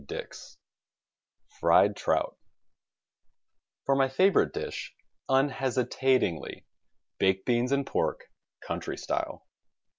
Dix FRIED TROUT For my favorite dish — unhesitatingly — baked beans and pork, country style.